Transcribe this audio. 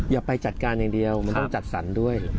อย่าไปจัดการอย่างเดียวมันต้องจัดสรรด้วย